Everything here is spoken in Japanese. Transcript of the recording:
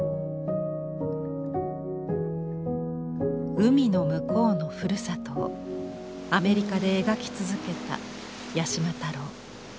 海の向こうのふるさとをアメリカで描き続けた八島太郎。